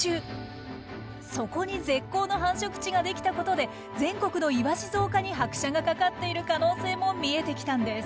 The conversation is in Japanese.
そこに絶好の繁殖地ができたことで全国のイワシ増加に拍車がかかっている可能性も見えてきたんです。